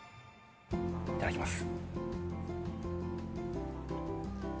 いただきます。